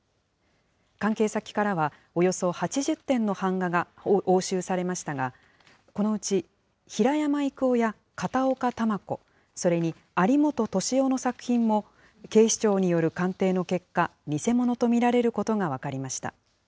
関係先からは、およそ８０点の版画が押収されましたが、このうち、平山郁夫や片岡球子、それに有元利夫の作品も、警視庁による鑑定の結果、偽物と見られることが分かりました。